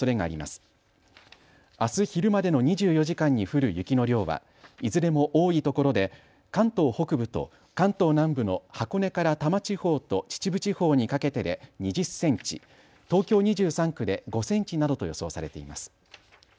あす昼までの２４時間に降る雪の量はいずれも多いところで関東北部と関東南部の箱根から多摩地方と秩父地方にかけてで２０センチ、東京２３区で５センチなどと予想されています。